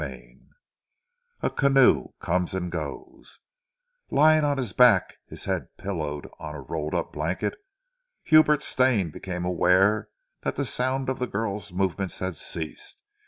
CHAPTER X A CANOE COMES AND GOES Lying on his back, his head pillowed on a rolled up blanket, Hubert Stane became aware that the sound of the girl's movements had ceased.